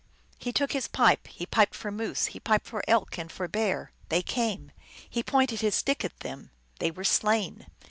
He took his pipe. He piped for moose ; he piped for elk and for bear : they came. He pointed his stick at them : they were slain.